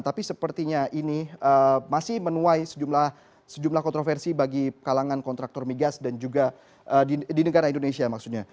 tapi sepertinya ini masih menuai sejumlah kontroversi bagi kalangan kontraktor migas dan juga di negara indonesia maksudnya